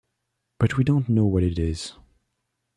But we don't know what it is.